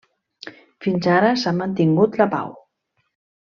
Fins ara s'ha mantingut la pau.